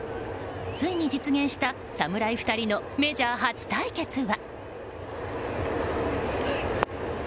ついに実現した侍２人のメジャー初対決は。